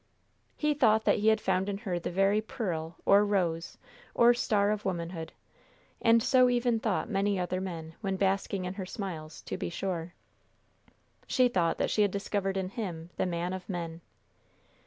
He thought that he had found in her the very pearl, or rose, or star of womanhood and so even thought many other men, when basking in her smiles, to be sure. She thought that she had discovered in him the man of men.